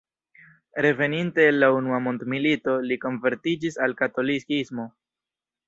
Reveninte el la unua mondmilito li konvertiĝis al katolikismo.